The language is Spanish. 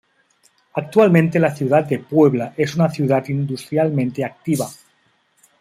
Actualmente la ciudad de Puebla es una ciudad industrialmente activa.